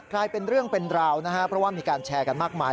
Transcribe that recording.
กลายเป็นเรื่องเป็นราวนะครับเพราะว่ามีการแชร์กันมากมาย